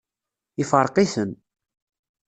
Ifṛeq-iten.